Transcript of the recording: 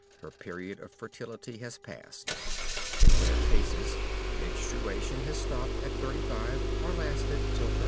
Her period of fertility has passed. In rare cases menstruation has stopped at 35, or lasted till 60.